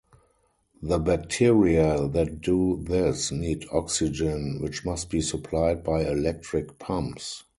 The bacteria that do this need oxygen, which must be supplied by electric pumps.